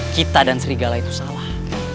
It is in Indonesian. kita dan serigala itu salah